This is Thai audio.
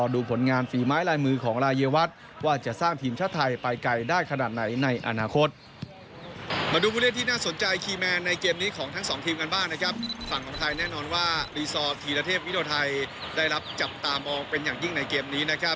ได้รับจับตามองเป็นอย่างยิ่งในเกมนี้